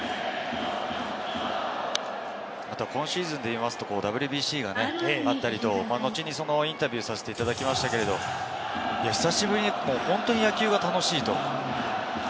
あと今シーズンでいいますと、ＷＢＣがあったりと、後にインタビューさせていただきましたけど、久しぶりに本当に野球が楽しいと。